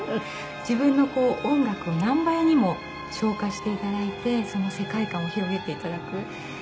自分の音楽を何倍にも昇華して頂いてその世界観を広げて頂く。